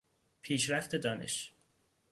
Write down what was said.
پیشرفت دانش